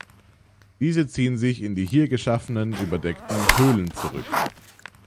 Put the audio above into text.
Diese ziehen sich in die hier geschaffenen überdeckten "Höhlen" zurück.